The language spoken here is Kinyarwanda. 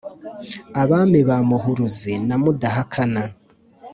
abami ba muhuruzi na mudahakana,